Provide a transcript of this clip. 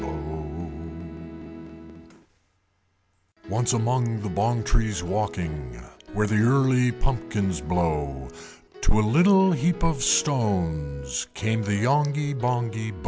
Once, among the Bong trees walking Where the early pumpkins blow, To a little heap of stones Came the Yonghy Bonghy Bò.